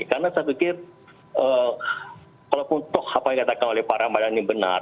karena saya pikir walaupun toh apa yang dikatakan oleh pak rembadat ini benar